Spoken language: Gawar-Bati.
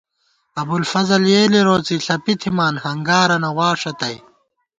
ابُوالفضل یېلے روڅے، ݪَپی تھِمان، ہنگارَنہ واݭہ تئ